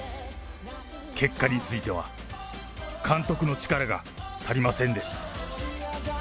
結果については、監督の力が足りませんでした。